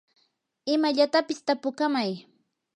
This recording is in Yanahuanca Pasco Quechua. imallatapis tapukamay.